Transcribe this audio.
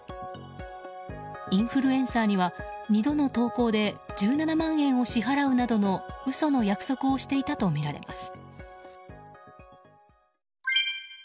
インフルエンサーには２度の投稿で１７万円を支払うなどの嘘の約束をしていたとみられます。